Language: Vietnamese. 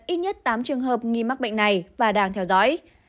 ít nhất tám trường hợp nghi mắc bệnh này và đang theo dõi